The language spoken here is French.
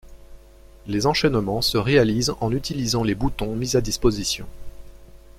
Les enchaînements se réalisent en utilisant les boutons mis à disposition.